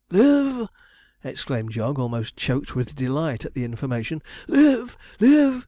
'Live!' exclaimed Jog, almost choked with delight at the information; 'live! live!'